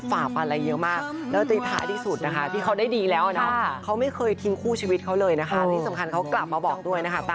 จะลำบากขนาดไหนแต่ถ้ามีคนอยู่เคียงข้าง